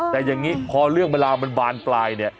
แต่อย่างนี้พอเรื่องเวลามันบานปลายเนี่ย